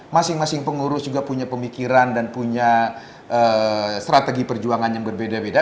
masing masing pengurus juga punya pemikiran dan punya strategi perjuangan yang berbeda beda